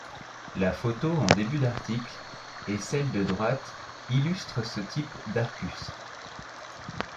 La photo en début d'article et celle de droite illustrent ce type d'arcus.